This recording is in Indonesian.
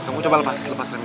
kamu coba lepas remnya